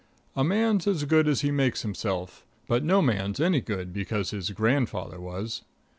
A man's as good as he makes himself, but no man's any good because his grandfather was.